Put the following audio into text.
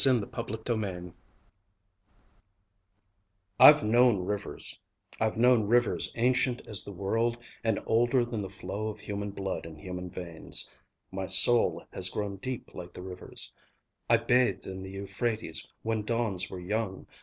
Y Z The Negro Speaks of Rivers I'VE known rivers: I've known rivers ancient as the world and older than the flow of human blood in human veins. My soul has grown deep like the rivers. I bathed in the Euphrates when dawns were young.